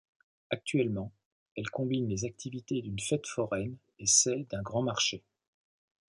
Actuellement, elle combine les activités d'une fête foraine et celles d'un grand marché.